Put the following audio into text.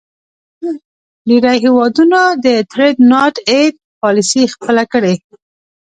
ډیری هیوادونو د Trade not aid پالیسي خپله کړې.